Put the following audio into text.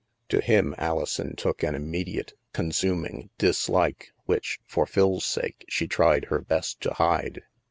To him Alison took an im mediate consuming dislike which, for Phil's sake, she tried her best to hide.